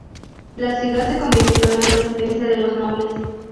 La ciudad se convirtió en la "residencia de los nobles".